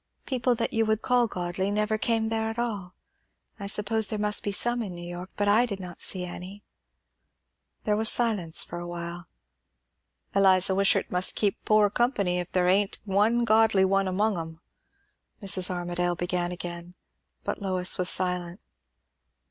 People that you would call godly people never came there at all. I suppose there must be some in New York; but I did not see any." There was silence a while. "Eliza Wishart must keep poor company, if there ain't one godly one among 'em," Mrs. Armadale began again. But Lois was silent.